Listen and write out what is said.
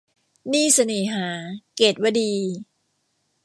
หนี้เสน่หา - เกตุวดี